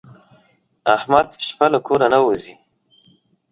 احمد شپه له کوره نه وځي.